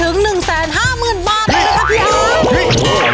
แล้วนะครับพี่อา